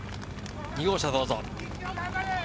２号車、どうぞ。